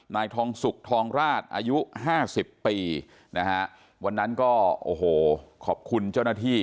นายทองสุกทองราชอายุ๕๐ปีวันนั้นก็ขอบคุณเจ้าหน้าที่